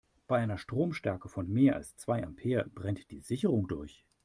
Bei einer Stromstärke von mehr als zwei Ampere brennt die Sicherung durch.